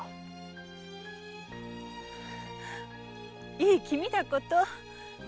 いい気味だこと。